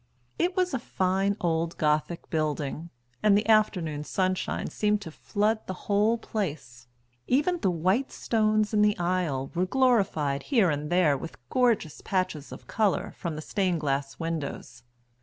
It was a fine old Gothic building, and the afternoon sunshine seemed to flood the whole place; even the white stones in the aisle were glorified here and there with gorgeous patches of colour from the stained glass windows.